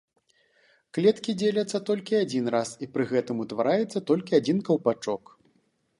Клеткі дзеляцца толькі адзін раз, і пры гэтым утвараецца толькі адзін каўпачок.